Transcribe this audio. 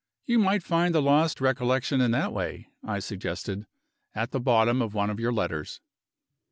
"You might find the lost recollection in that way," I suggested, "at the bottom of one of your letters."